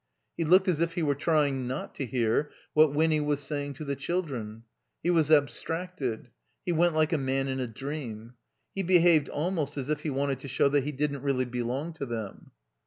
He looked as if he were trjring not to hear what Winny was saying to the children. He was abstracted. He went like a man in a dream. He behaved almost as if he wanted to show that he didn't really belong to them.